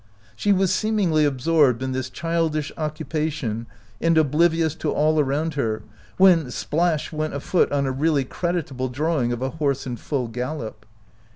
She was seemingly ab sorbed in this childish occupation and obliv ious to all around her, when — splash went a foot on a really creditable drawing of a horse in full gallop.